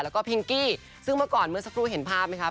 แล้วก็พิงกี้ซึ่งเมื่อก่อนเมื่อสักครู่เห็นภาพไหมครับ